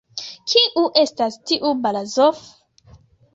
Kiu estas tiu Barazof?